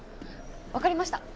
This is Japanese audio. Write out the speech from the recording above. わかりました。